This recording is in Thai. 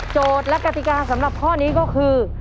และกติกาสำหรับข้อนี้ก็คือ